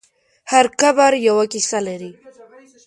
هر قبر یوه کیسه لري.